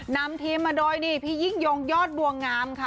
นำทีมมาโดยนี่พี่ยิ่งยงยอดบัวงามค่ะ